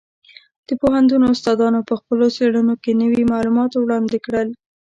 د پوهنتون استادانو په خپلو څېړنو کې نوي معلومات وړاندې کړل.